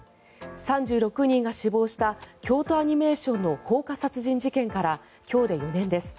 ３６人が死亡した京都アニメーションの放火殺人事件から今日で４年です。